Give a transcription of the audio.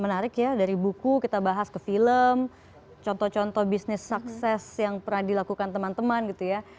menarik ya dari buku kita bahas ke film contoh contoh bisnis sukses yang pernah dilakukan teman teman gitu ya